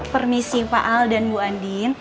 permisi pak al dan bu andin